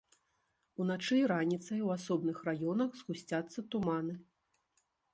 Уначы і раніцай ў асобных раёнах згусцяцца туманы.